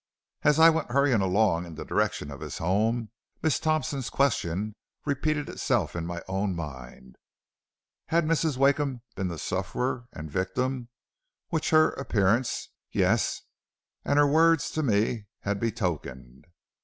As I went hurrying along in the direction of his home, Miss Thompson's question repeated itself in my own mind. Had Mrs. Wakeham been the sufferer and victim which her appearance, yes and her words to me, had betokened?